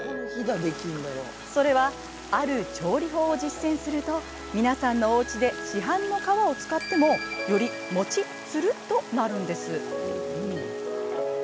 それは、ある調理法を実践すると皆さんのおうちで市販の皮を使っても、よりもちっ、つるっとなるんです。